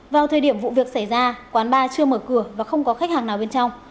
vào thời điểm vụ việc xảy ra quán bar chưa mở cửa và không có khách hàng nào bên trong